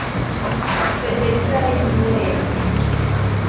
icyo gihe sinari nzi munezero